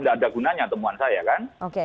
tidak ada gunanya temuan saya kan